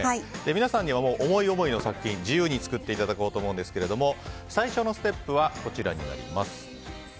皆さんには思い思いの作品を自由に作っていただこうと思うんですが、最初のステップはこちらになります。